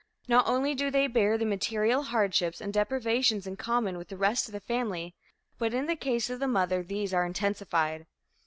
Not only do they bear the material hardships and deprivations in common with the rest of the family, but in the case of the mother, these are intensified.